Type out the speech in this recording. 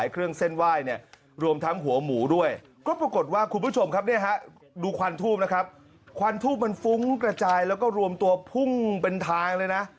ควันทุบมันฟุ้งกระจายแล้วก็รวมตัวพุ่งเป็นทางเลยนะ